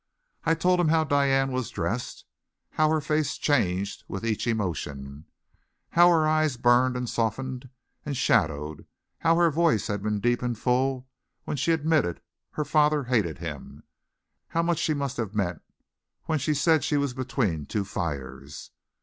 I told him how Diane was dressed, how her face changed with each emotion, how her eyes burned and softened and shadowed, how her voice had been deep and full when she admitted her father hated him, how much she must have meant when she said she was between two fires.